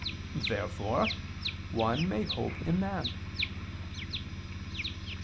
Therefore one may hope in man.